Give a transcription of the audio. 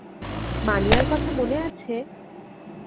মানিয়ার কথা মনে আছে?